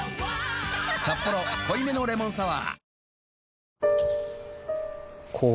「サッポロ濃いめのレモンサワー」